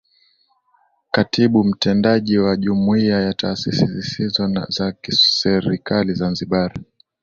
Katibu Mtendaji wa Jumuiya ya Taasisi zisizo za Kiserikali Zanzibar